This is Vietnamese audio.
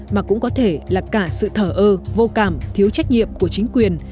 mà cũng có thể là cả sự thở ơ vô cảm thiếu trách nhiệm của chính quyền